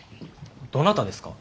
どなたですか？